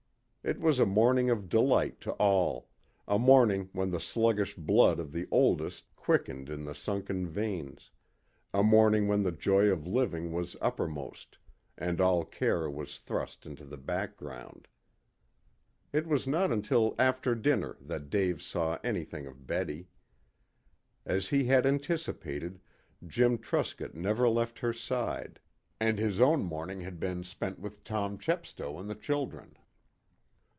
It was a morning of delight to all; a morning when the sluggish blood of the oldest quickened in the sunken veins; a morning when the joy of living was uppermost, and all care was thrust into the background. It was not until after dinner that Dave saw anything of Betty. As he had anticipated, Jim Truscott never left her side, and his own morning had been spent with Tom Chepstow and the children.